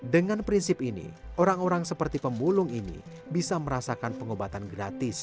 dengan prinsip ini orang orang seperti pemulung ini bisa merasakan pengobatan gratis